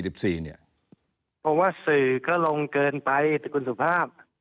เพราะว่าสือก็ลงเกินไปท่านครับ